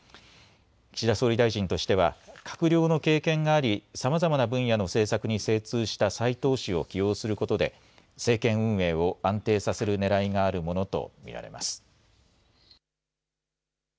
岸田総理大臣としては、閣僚の経験があり、さまざまな分野の政策に精通した齋藤氏を起用することで、政権運営を安定させるねらいがあるものと見られます。